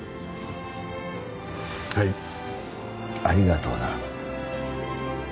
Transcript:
ありがとうな。